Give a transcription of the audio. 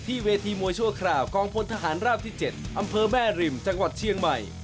เวทีมวยชั่วคราวกองพลทหารราบที่๗อำเภอแม่ริมจังหวัดเชียงใหม่